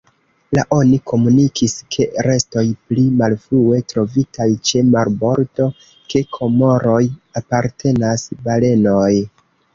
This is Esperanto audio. La oni komunikis ke restoj, pli malfrue trovitaj ĉe marbordo de Komoroj, apartenas balenoj.